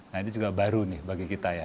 nah ini juga baru nih bagi kita ya